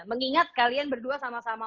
mengingat kalian berdua sama sama